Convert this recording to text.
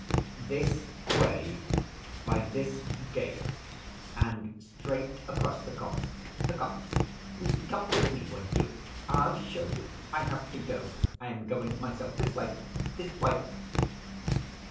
"This way, by this gate, and straight across the copse ... the copse. Come with me, won't you? I'll show you. I have to go.... I am going myself. This way, this way."